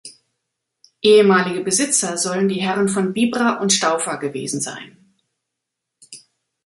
Ehemalige Besitzer sollen die Herren von Bibra und Staufer gewesen sein.